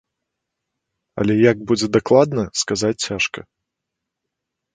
Але як будзе дакладна, сказаць цяжка.